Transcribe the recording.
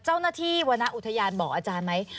เจ้าหน้าที่วรรณอุทยานบอกอาจารย์ไหม